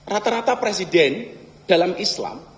rata rata presiden dalam islam